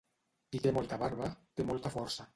Qui té molta barba, té molta força.